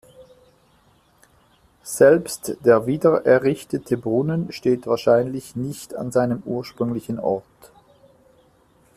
Selbst der wiedererrichtete Brunnen steht wahrscheinlich nicht an seinem ursprünglichen Ort.